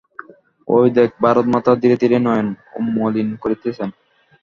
ঐ দেখ, ভারতমাতা ধীরে ধীরে নয়ন উন্মীলন করিতেছেন।